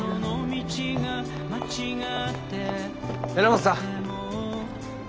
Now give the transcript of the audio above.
榎本さん。